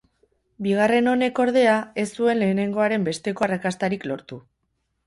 Bigarren honek, ordea, ez zuen lehenengoaren besteko arrakastarik lortu.